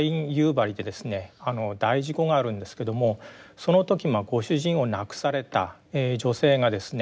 大事故があるんですけどもその時ご主人を亡くされた女性がですね